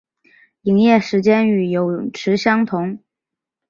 营业时间与泳池相同。